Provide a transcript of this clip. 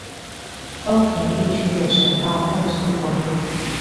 高屏地區的省道快速公路